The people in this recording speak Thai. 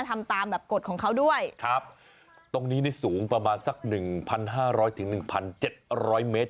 ทำตามแบบกฎของเขาด้วยครับตรงนี้สูงประมาณสัก๑๕๐๐๑๗๐๐เมตร